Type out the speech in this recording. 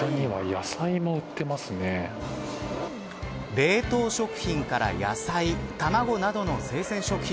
冷凍食品から野菜卵などの生鮮食品。